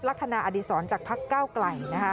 ลักษณะอดีศรจากพักเก้าไกลนะคะ